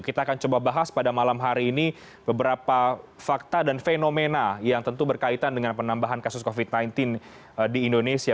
kita akan coba bahas pada malam hari ini beberapa fakta dan fenomena yang tentu berkaitan dengan penambahan kasus covid sembilan belas di indonesia